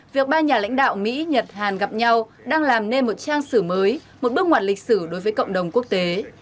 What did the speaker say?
việc ba nhà lãnh đạo mỹ nhật hàn gặp nhau đang làm nên một trang sử mới một bước ngoặt lịch sử đối với cộng đồng quốc tế